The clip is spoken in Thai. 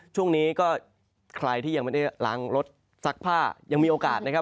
ช่วงนี้ก็ใครที่ยังไม่ได้ล้างรถซักผ้ายังมีโอกาสนะครับ